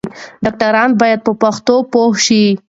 ډاکټران بايد په پښتو پوه شي.